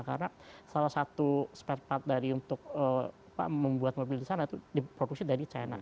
karena salah satu spare part dari untuk membuat mobil di sana itu diproduksi dari china